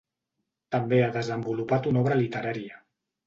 També ha desenvolupat una obra literària.